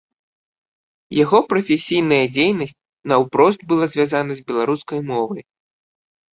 Яго прафесійная дзейнасць наўпрост была звязана з беларускай мовай.